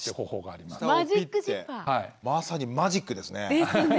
まさにマジックですね。